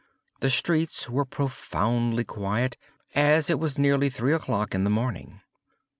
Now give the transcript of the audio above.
The streets were profoundly quiet, as it was nearly three o'clock in the morning.